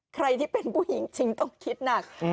ใครที่เป็นผู้หญิงจริงต้องคิดหนัก